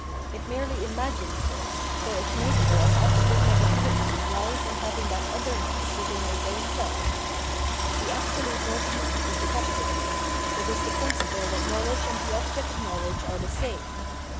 It merely imagines this, for its nature as absolute negativity hes in having that otherness within its own self. The absolute notion is the category ; it is the principle that knowledge and the object of knowledge are the same.